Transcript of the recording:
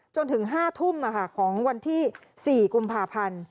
จนถึง๕ทุ่มของวันที่๔กุมภาพันธ์